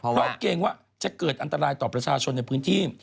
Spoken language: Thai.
เพราะเกรงว่าจะเกิดอันตรายต่อประชาชนในพื้นที่